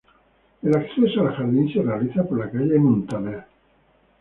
El acceso al jardín se realiza por la calle de Muntaner.